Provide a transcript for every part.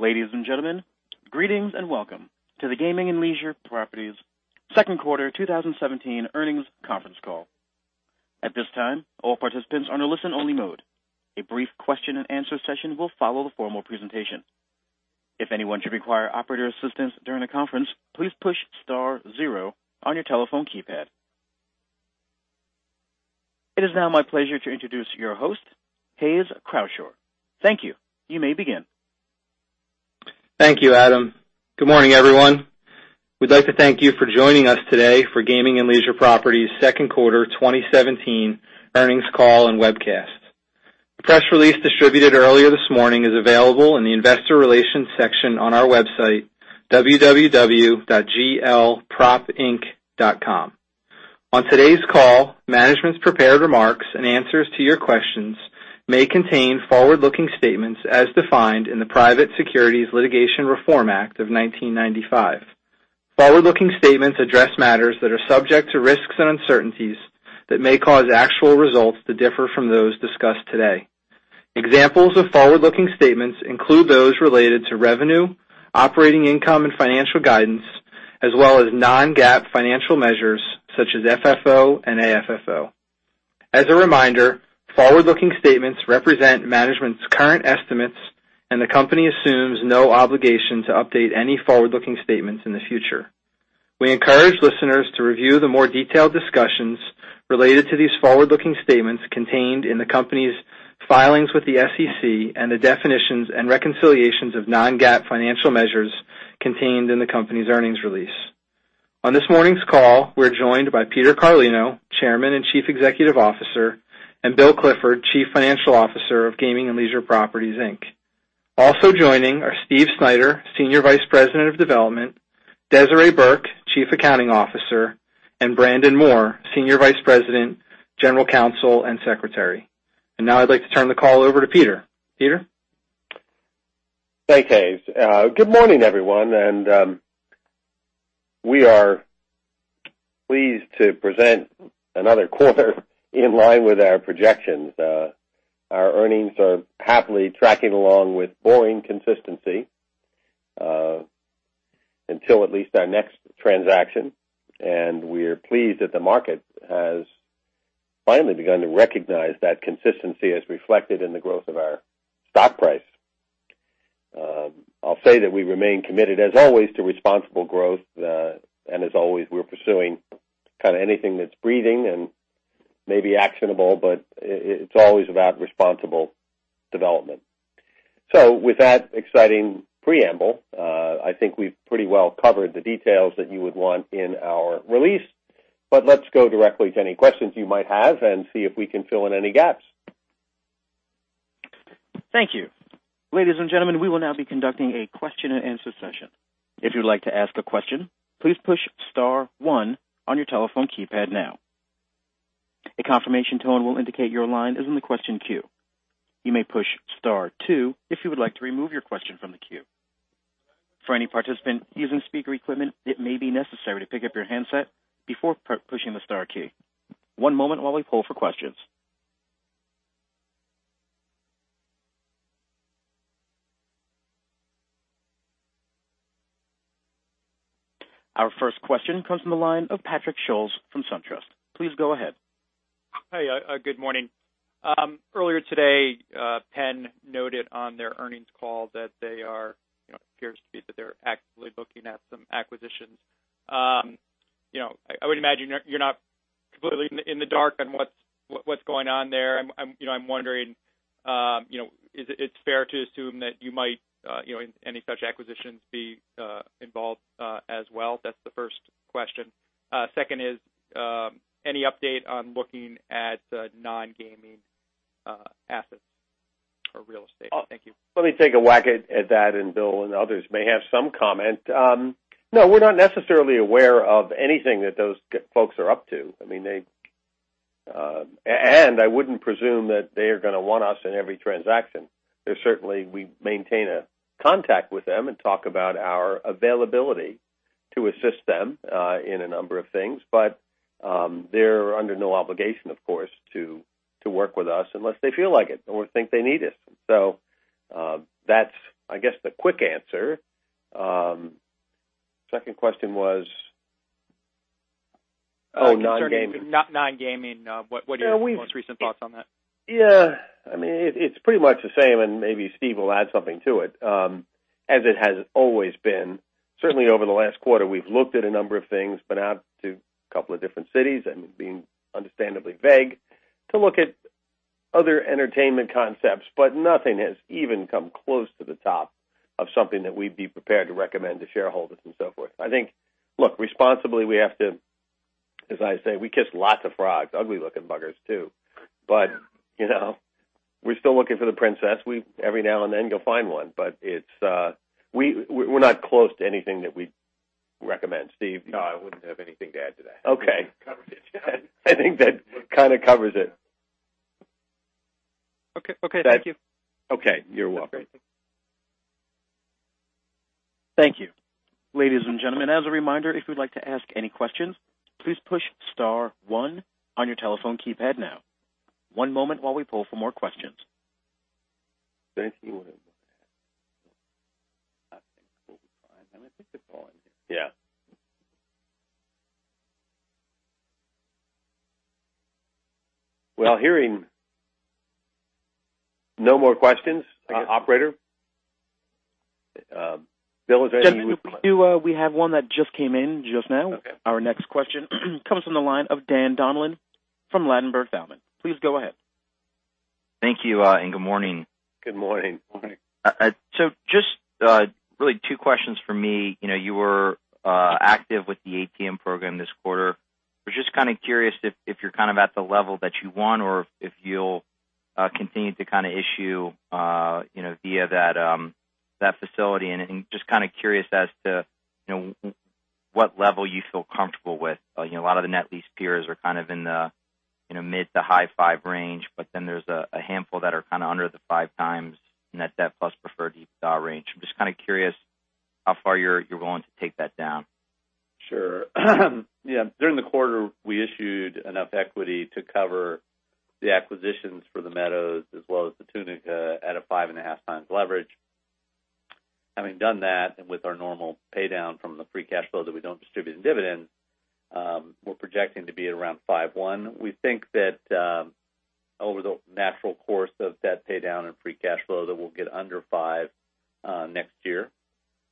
Ladies and gentlemen, greetings and welcome to the Gaming and Leisure Properties second quarter 2017 earnings conference call. At this time, all participants are in listen-only mode. A brief question and answer session will follow the formal presentation. If anyone should require operator assistance during the conference, please push star zero on your telephone keypad. It is now my pleasure to introduce your host, Hayes Croushore. Thank you. You may begin. Thank you, Adam. Good morning, everyone. We'd like to thank you for joining us today for Gaming and Leisure Properties second quarter 2017 earnings call and webcast. The press release distributed earlier this morning is available in the investor relations section on our website, www.glpropinc.com. On today's call, management's prepared remarks and answers to your questions may contain forward-looking statements as defined in the Private Securities Litigation Reform Act of 1995. Forward-looking statements address matters that are subject to risks and uncertainties that may cause actual results to differ from those discussed today. Examples of forward-looking statements include those related to revenue, operating income, and financial guidance, as well as non-GAAP financial measures such as FFO and AFFO. As a reminder, forward-looking statements represent management's current estimates, and the company assumes no obligation to update any forward-looking statements in the future. We encourage listeners to review the more detailed discussions related to these forward-looking statements contained in the company's filings with the SEC and the definitions and reconciliations of non-GAAP financial measures contained in the company's earnings release. On this morning's call, we're joined by Peter Carlino, Chairman and Chief Executive Officer, and Bill Clifford, Chief Financial Officer of Gaming and Leisure Properties Inc. Also joining are Steve Snyder, Senior Vice President of Development, Desiree Burke, Chief Accounting Officer, and Brandon Moore, Senior Vice President, General Counsel, and Secretary. Now I'd like to turn the call over to Peter. Peter? Thanks, Hayes. Good morning, everyone. We are pleased to present another quarter in line with our projections. Our earnings are happily tracking along with boring consistency, until at least our next transaction, and we're pleased that the market has finally begun to recognize that consistency as reflected in the growth of our stock price. I'll say that we remain committed as always to responsible growth, and as always, we're pursuing kind of anything that's breathing and maybe actionable, but it's always about responsible development. With that exciting preamble, I think we've pretty well covered the details that you would want in our release. Let's go directly to any questions you might have and see if we can fill in any gaps. Thank you. Ladies and gentlemen, we will now be conducting a question and answer session. If you'd like to ask a question, please push star one on your telephone keypad now. A confirmation tone will indicate your line is in the question queue. You may push star two if you would like to remove your question from the queue. For any participant using speaker equipment, it may be necessary to pick up your handset before pushing the star key. One moment while we poll for questions. Our first question comes from the line of Patrick Scholes from SunTrust. Please go ahead. Hi, good morning. Earlier today, Penn noted on their earnings call that it appears to be that they're actively looking at some acquisitions. I would imagine you're not completely in the dark on what's going on there. I'm wondering, is it fair to assume that you might, in any such acquisitions, be involved as well? That's the first question. Second is, any update on looking at non-gaming assets or real estate? Thank you. Let me take a whack at that, and Bill and others may have some comment. No, we're not necessarily aware of anything that those folks are up to. I wouldn't presume that they are going to want us in every transaction. Certainly, we maintain contact with them and talk about our availability to assist them in a number of things, but they're under no obligation, of course, to work with us unless they feel like it or think they need us. That's, I guess, the quick answer. Second question was, oh, non-gaming. Non-gaming, what are your most recent thoughts on that? Yeah. It's pretty much the same, and maybe Steve will add something to it. As it has always been, certainly over the last quarter, we've looked at a number of things, been out to a couple of different cities and been understandably vague to look at other entertainment concepts, but nothing has even come close to the top of something that we'd be prepared to recommend to shareholders and so forth. I think, look, responsibly, we have to, as I say, we kiss lots of frogs, ugly looking buggers, too. We're still looking for the princess. Every now and then you'll find one, but we're not close to anything that we'd recommend. Steve? No, I wouldn't have anything to add to that. Okay. You covered it. I think that kind of covers it. Okay. Thank you. Okay. You're welcome. Thank you. Ladies and gentlemen, as a reminder, if you'd like to ask any questions, please push star one on your telephone keypad now. One moment while we pull for more questions. Yeah. Well, hearing no more questions. Operator? Bill, is there any- We have one that just came in just now. Okay. Our next question comes from the line of Daniel Donlan from Ladenburg Thalmann. Please go ahead. Thank you, and good morning. Good morning. Morning. Just really two questions from me. You were active with the ATM program this quarter. Was just kind of curious if you're kind of at the level that you want or if you'll continue to kind of issue via that facility and just kind of curious as to what level you feel comfortable with. A lot of the net lease peers are kind of in the mid to high five range, there's a handful that are kind of under the 5 times net debt plus preferred EBITDA range. I'm just kind of curious how far you're willing to take that down. Sure. During the quarter, we issued enough equity to cover the acquisitions for the Meadows as well as the Tunica at a 5.5 times leverage. Having done that, and with our normal pay down from the free cash flow that we don't distribute in dividend, we're projecting to be at around 5.1. We think that over the natural course of debt pay down and free cash flow, that we'll get under 5 next year.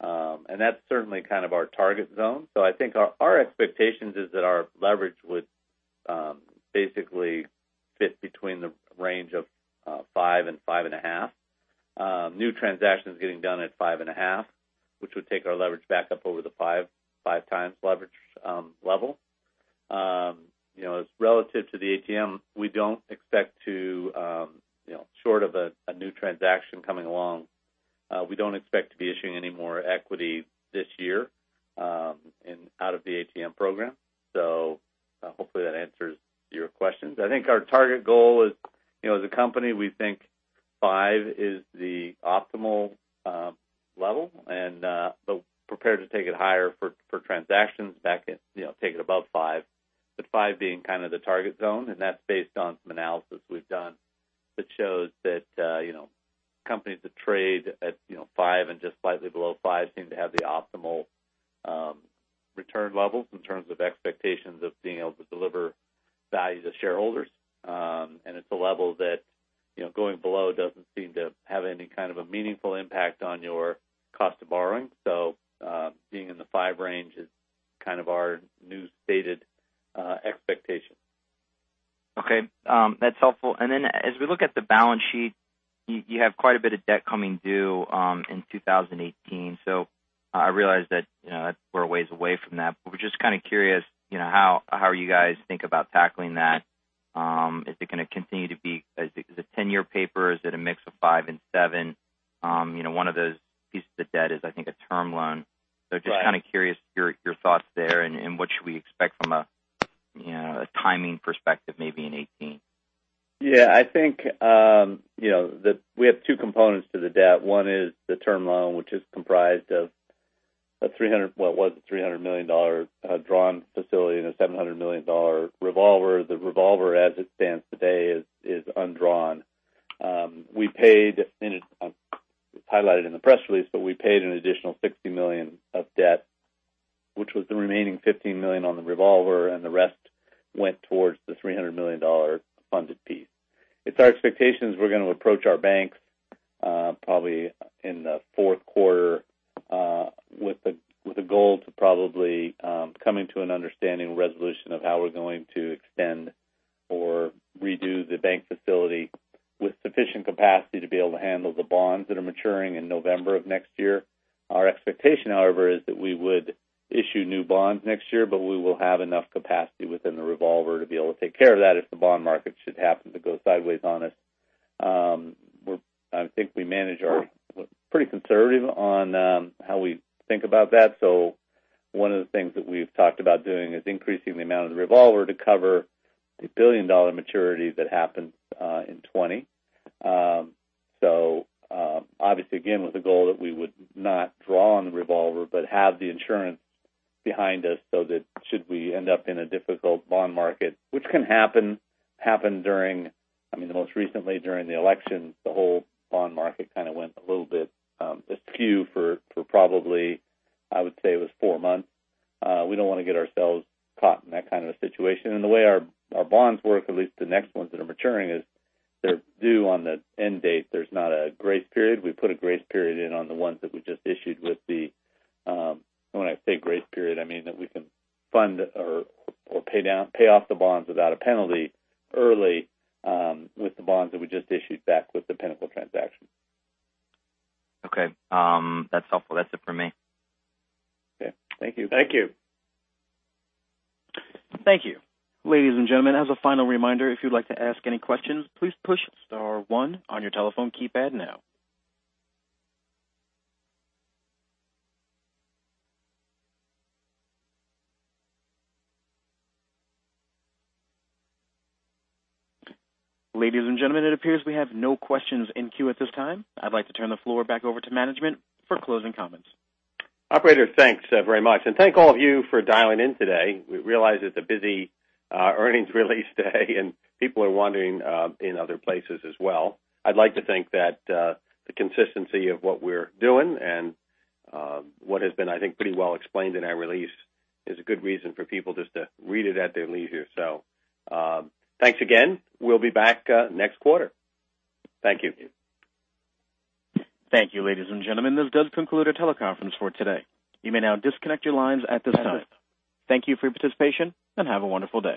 That's certainly kind of our target zone. I think our expectations is that our leverage would basically fit between the range of 5 and 5.5. New transactions getting done at 5.5, which would take our leverage back up over the 5 times leverage level. As relative to the ATM, short of a new transaction coming along, we don't expect to be issuing any more equity this year out of the ATM program. Hopefully that answers your questions. I think our target goal is, as a company, we think 5 is the optimal level and prepared to take it higher for transactions back, take it above 5 being kind of the target zone. That's based on some analysis we've done that shows that companies that trade at 5 and just slightly below 5 seem to have the optimal return levels in terms of expectations of being able to deliver value to shareholders. It's a level that going below doesn't seem to have any kind of a meaningful impact on your cost of borrowing. Being in the five range is kind of our new stated expectation. That's helpful. As we look at the balance sheet, you have quite a bit of debt coming due in 2018. I realize that we're a ways away from that, we're just kind of curious how you guys think about tackling that. Is it 10-year paper? Is it a mix of five and seven? One of those pieces of debt is, I think, a term loan. Right. Just kind of curious your thoughts there and what should we expect from a timing perspective, maybe in 2018. I think that we have two components to the debt. One is the term loan, which is comprised of a $300 million drawn facility and a $700 million revolver. The revolver, as it stands today, is undrawn. It's highlighted in the press release, but we paid an additional $60 million of debt, which was the remaining $15 million on the revolver, and the rest went towards the $300 million funded piece. It's our expectations we're going to approach our banks, probably in the fourth quarter, with the goal to coming to an understanding resolution of how we're going to extend or redo the bank facility with sufficient capacity to be able to handle the bonds that are maturing in November of next year. Our expectation, however, is that we would issue new bonds next year, but we will have enough capacity within the revolver to be able to take care of that if the bond market should happen to go sideways on us. We're pretty conservative on how we think about that. One of the things that we've talked about doing is increasing the amount of the revolver to cover the billion-dollar maturity that happens in 2020. Obviously, again, with the goal that we would not draw on the revolver but have the insurance behind us so that should we end up in a difficult bond market, which can happen. The most recently during the election, the whole bond market kind of went a little bit askew for probably, I would say it was four months. We don't want to get ourselves caught in that kind of a situation. The way our bonds work, at least the next ones that are maturing, is they're due on the end date. There's not a grace period. We put a grace period in on the ones that we just issued with the When I say grace period, I mean that we can fund or pay off the bonds without a penalty early with the bonds that we just issued back with the Pinnacle transaction. Okay. That's helpful. That's it for me. Okay. Thank you. Thank you. Thank you. Ladies and gentlemen, as a final reminder, if you'd like to ask any questions, please push star one on your telephone keypad now. Ladies and gentlemen, it appears we have no questions in queue at this time. I'd like to turn the floor back over to management for closing comments. Operator, thanks very much. Thank all of you for dialing in today. We realize it's a busy earnings release day and people are wondering in other places as well. I'd like to think that the consistency of what we're doing and what has been, I think, pretty well explained in our release is a good reason for people just to read it at their leisure. Thanks again. We'll be back next quarter. Thank you. Thank you, ladies and gentlemen. This does conclude our teleconference for today. You may now disconnect your lines at this time. Thank you for your participation, and have a wonderful day.